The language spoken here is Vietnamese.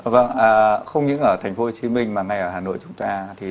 vâng không những ở tp hcm mà ngay ở hà nội chúng ta